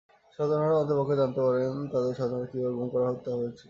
স্বজনহারারা অন্ততপক্ষে জানতে পারবেন, তাদের স্বজনদের কীভাবে গুম, হত্যা করা হয়েছিল।